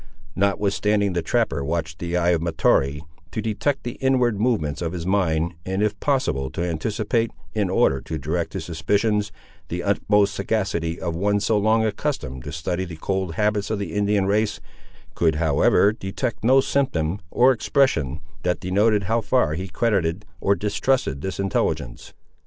Notwithstanding the trapper watched the eye of Mahtoree, to detect the inward movements of his mind, and if possible to anticipate, in order to direct his suspicions, the utmost sagacity of one so long accustomed to study the cold habits of the Indian race, could however detect no symptom, or expression, that denoted how far he credited or distrusted this intelligence.